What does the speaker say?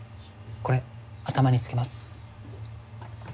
これ頭につけます。